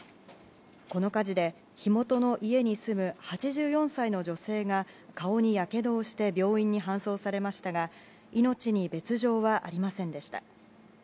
この火事で、火元の家に住む８４歳の女性が顔にやけどをして病院に搬送されましたが命に別条はありませんでした。